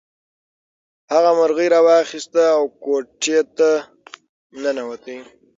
هغه مرغۍ راواخیسته او کوټې ته ننووت.